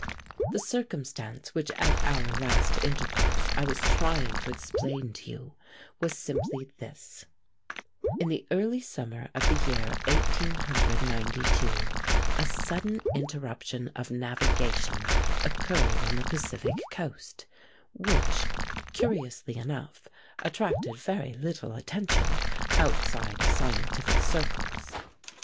The circumstance which at our last intercourse I was trying to explain to you was simply this: In the early summer of the year 1892 a sudden interruption of navigation occurred on the Pacific coast, which, curiously enough, attracted very little attention outside of scientific circles.